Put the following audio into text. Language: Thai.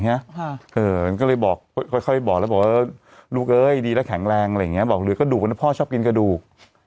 เขาเลยบอกลูกเอ้ยดีแล้วแข็งแรงบอกเหลือกระดูกเพราะพ่อชอบกินกระดูก